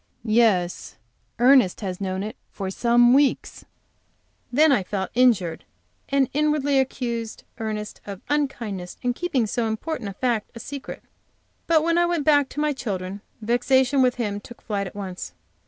"Yes, Ernest has known it for some weeks." Then I felt injured and inwardly accused Ernest of unkindness in keeping so important a fact a secret. But when I went back to my children, vexation with him took flight at once.